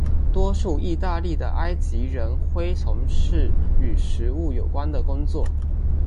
多数义大利的埃及人恢从事与食物有关的工作。